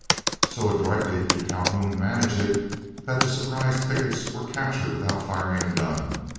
So adroitly did Calhoun manage it, that the surprised pickets were captured without firing a gun.